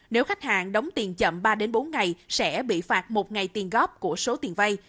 nếu khách hàng đóng tiền chậm ba bốn ngày sẽ bị phạt một ngày tiền góp của số tiền vay